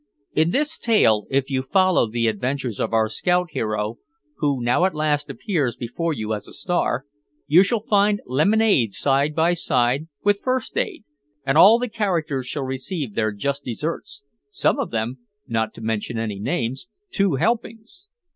In this tale, if you follow the adventures of our scout hero (who now at last appears before you as a star), you shall find lemonade side by side with first aid, and all the characters shall receive their just desserts, some of them (not to mention any names) two helpings.